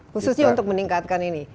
khususnya untuk meningkatkan ini